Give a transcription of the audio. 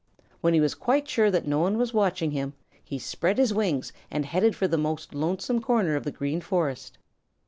When he was quite sure that no one was watching him, he spread his wings and headed for the most lonesome corner of the Green Forest.